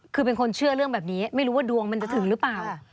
คือเป็นคนเชื่อเรื่องแบบนี้ไม่รู้ว่าดวงมันจะถึงหรือเปล่า